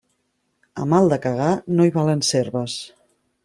A mal de cagar no hi valen serves.